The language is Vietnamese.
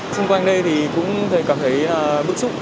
xung quanh đây thì cũng cảm thấy bức xúc